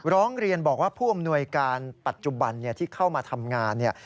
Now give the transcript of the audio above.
ร้องเรียนบอกว่าผู้อำนวยการปัจจุบันที่เข้ามาทำงานเนี่ย